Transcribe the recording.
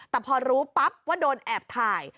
แต่พอรู้ปั๊บว่าโดนแอบถ่าย